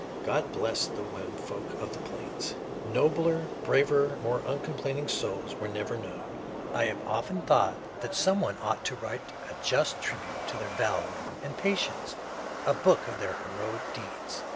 God bless the women folks of the Plains! Nobler, braver, more uncomplaining souls were never known. I have often thought that some one ought to write a just tribute to their valor and patience, a book of their heroic deeds.